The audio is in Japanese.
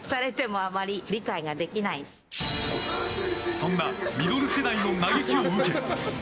そんなミドル世代の嘆きを受け